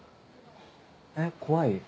えっ怖い？